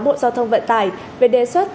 bộ giao thông vận tải về đề xuất